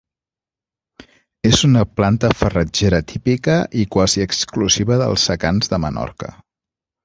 És una planta farratgera típica i quasi exclusiva dels secans de Menorca.